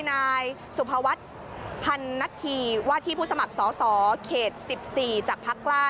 นายสุภวัทธ์พันณทีวาทีผู้สมัครสสเคศ๑๔จากพลเกล้า